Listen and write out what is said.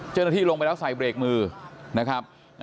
เจ้าหน้าที่ลงไปแล้วใส่เบรกมือนะครับ